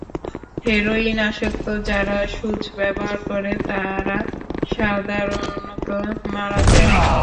Heroin আসক্ত যারা সূঁচ ব্যবহার করে, তারা সাধারণত মারা যায়।